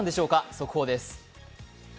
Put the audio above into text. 速報です。